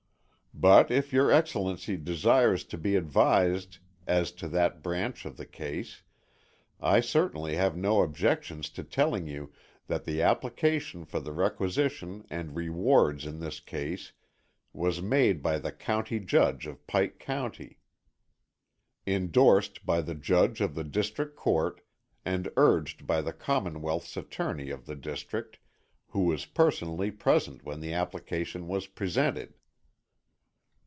But if your Excellency desires to be advised as to that branch of the case, I certainly have no objections to telling you that the application for the requisition and rewards in this case was made by the County Judge of Pike County, indorsed by the Judge of the District Court, and urged by the Commonwealth's Attorney of the district, who was personally present when the application was presented.